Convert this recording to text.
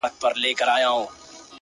• او د دنيا له لاسه؛